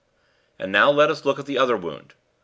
And now let us look at the other wound.